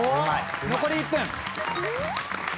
残り１分。